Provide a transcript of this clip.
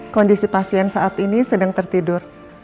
kondisi pasien saat ini sedang tertidur